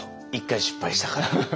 １回失敗したから。